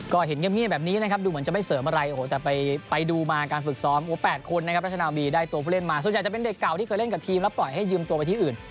ก็เห็นเนี๊ยมแบบนี้ดูเหมือนไม่เสริมอะไรแต่ไปดูมาการฝึกซ้อม๘คนได้ตัวผู้เล่นมาส่วนใหญ่ก็เป็นเด็กเก่าเล่นกับทีมเราปล่อยให้ยืมไปอื่น